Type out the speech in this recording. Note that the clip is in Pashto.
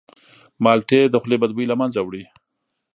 مالټې د خولې بدبویي له منځه وړي.